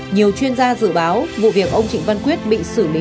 nhiều chuyên gia dự báo vụ việc ông trịnh văn quyết bị xử lý